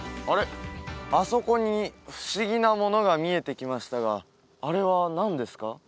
あそこに不思議なものが見えてきましたがあれは何ですか？